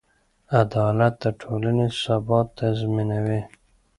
عدالت د ټولنې ثبات تضمینوي.